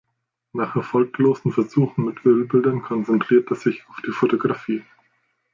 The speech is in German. Nach erfolglosen Versuchen mit Ölbildern konzentriert er sich auf die Fotografie.